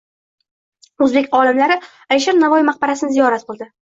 O‘zbek olimlari Alisher Navoiy maqbarasini ziyorat qildi